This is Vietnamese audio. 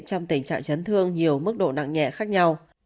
trong tình trạng chấn thương nhiều mức độ nặng nhẹ khác nhau